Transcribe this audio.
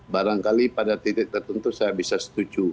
barangkali pada titik tertentu saya bisa setuju